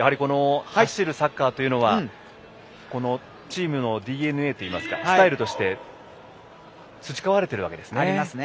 走るサッカーというのはチームのＤＮＡといいますかスタイルとして培われているわけですね。